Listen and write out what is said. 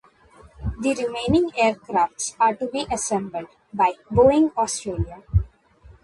The remaining aircraft are to be assembled by Boeing Australia.